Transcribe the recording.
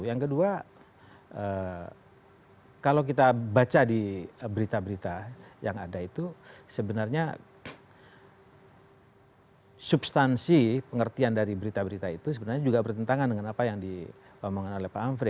yang kedua kalau kita baca di berita berita yang ada itu sebenarnya substansi pengertian dari berita berita itu sebenarnya juga bertentangan dengan apa yang diomongkan oleh pak amfri